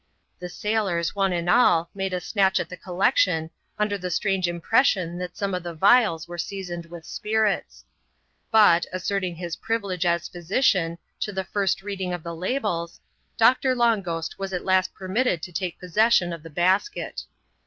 The sailors, one and all, made a snatch at the collection, under the strange impression that some of the Tlals were seasoned with spirits. But, asserting his privil^e as physician, to the first reading of the labels. Doctor Long Ghost was at last permitted to take possession of the basket.